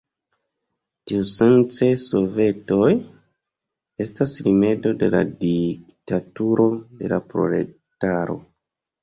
Tiusence sovetoj estas rimedo de la diktaturo de la proletaro.